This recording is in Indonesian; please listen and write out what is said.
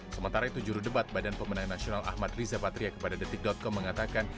sementara itu juru debat badan pemenang nasional ahmad rizapatria kepada detik com mengatakan